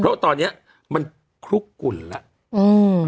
เพราะตอนเนี้ยมันคลุกกุ่นแล้วอืม